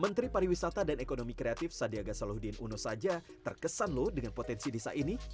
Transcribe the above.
menteri pariwisata dan ekonomi kreatif sandiaga salahuddin uno saja terkesan loh dengan potensi desa ini